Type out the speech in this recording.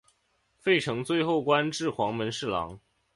费承最后官至黄门侍郎。